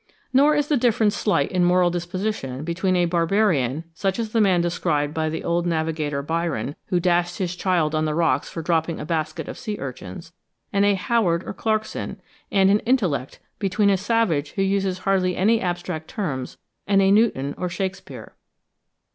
Nor is the difference slight in moral disposition between a barbarian, such as the man described by the old navigator Byron, who dashed his child on the rocks for dropping a basket of sea urchins, and a Howard or Clarkson; and in intellect, between a savage who uses hardly any abstract terms, and a Newton or Shakspeare.